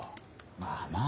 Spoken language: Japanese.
まあまあ。